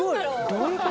どういう事？